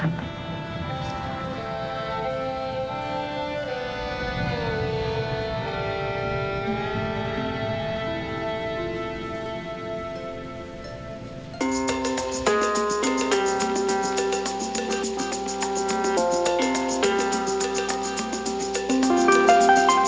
anak bapak sangat tergantung dengan alat alat